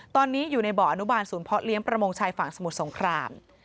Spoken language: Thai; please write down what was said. ตอนนี้อยู่ในบ่ออนุบาลศูนย์เพาะเลี้ยงประมงชายฝั่งสมุทรสงคราม